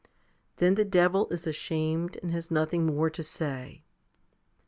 Then the devil is ashamed, and has nothing more to say.